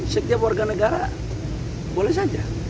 setiap warga negara boleh saja